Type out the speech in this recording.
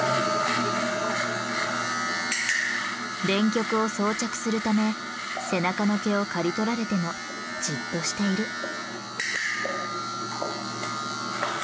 電極を装着するため背中の毛を刈り取られてもじっとしている。